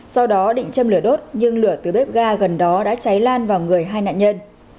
sau đó định châm lửa đốt nhưng lửa từ bếp ga gần đó đã cháy lan vào người hai nạn nhân